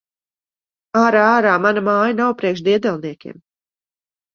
Ārā! Ārā! Mana māja nav priekš diedelniekiem!